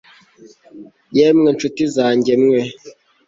yemwe nshuti zange mwe